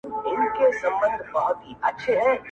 o لڅ په خوب کرباس ويني